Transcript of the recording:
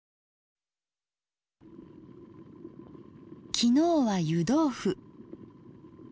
昨日は湯豆腐。